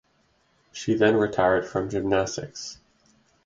She then retired from gymnastics.